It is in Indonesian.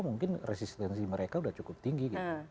mungkin resistensi mereka sudah cukup tinggi gitu